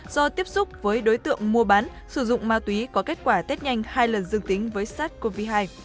do tiếp xúc với đối tượng mua bán sử dụng ma túy có kết quả tết nhanh hai lần dương tính với sars cov hai